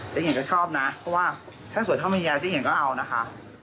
เจ้าเองก็ชอบน่ะเพราะว่าถ้าสวยเท่ามารียาเจ้าเองก็เอานะคะ